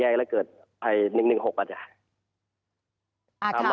แตกแยกแล้วเกิดไป๑๑๖ปะจ๊ะ